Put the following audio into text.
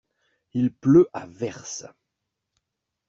Il pleut à verse.